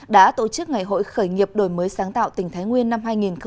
đã tổ chức ngày hội khởi nghiệp đổi mới sáng tạo tỉnh thái nguyên năm hai nghìn hai mươi